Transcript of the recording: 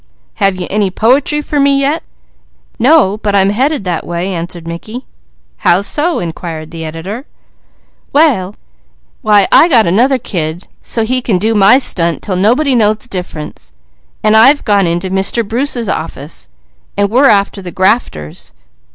"Have you any poetry for me yet?" "No, but I'm headed that way," answered Mickey. "How so?" inquired the editor. "Why I've got another kid so he can do my stunt 'til nobody knows the difference, and I've gone into Mr. Bruce's office, and we're after the grafters."